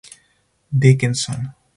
Dickinson.